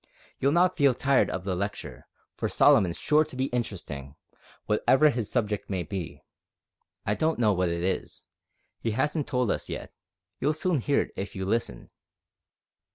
You'll not feel tired of the lecture, for Solomon's sure to be interesting, whatever his subject may be. I don't know what it is he hasn't told us yet. You'll soon hear it if you listen."